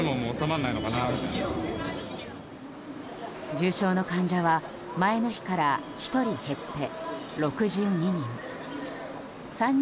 重症の患者は前の日から１人減って６２人。